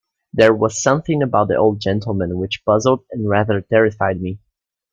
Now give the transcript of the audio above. There was something about the old gentleman which puzzled and rather terrified me.